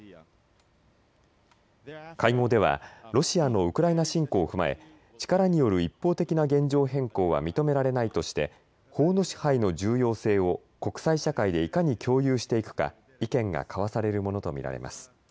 会合ではロシアのウクライナ侵攻を踏まえ力による一方的な現状変更は認められないとして法の支配の重要性を国際社会でいかに共有していくか意見が交わされるものと見られます。